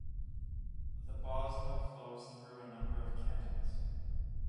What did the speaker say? The Bosna flows through a number of cantons.